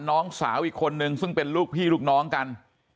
น้องสาวอีกคนนึงซึ่งเป็นลูกพี่ลูกน้องกัน